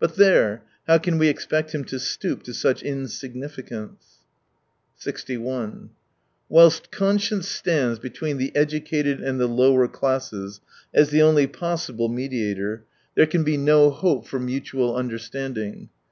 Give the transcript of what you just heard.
But there — how can we expect him to stoop to such insig nificance ! 61 Whilst conscience stands between the educated and the lower classes, as the only possible mediator, there can be no hope for 73 mutual understanding.